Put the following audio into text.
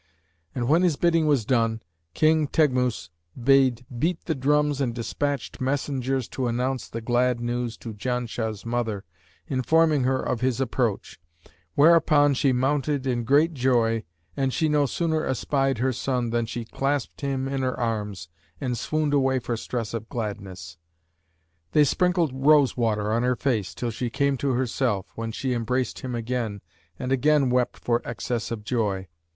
And when his bidding was done, King Teghmus bade beat the drums and despatched messengers to announce the glad news to Janshah's mother, informing her of his approach; whereupon she mounted in great joy and she no sooner espied her son than she clasped him in her arms and swooned away for stress of gladness. They sprinkled rose water on her face, till she came to herself, when she embraced him again and again wept for excess of joy.